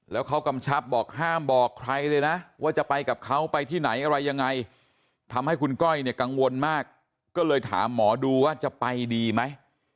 แล้วเขากำชับบอกห้ามบอกใครเลยนะว่าจะไปกับเขาไปที่ไหนอะไรยังไงทำให้คุณก้อยเนี่ยกังวลมากก็เลยถามหมอดูว่าจะไปดีไหม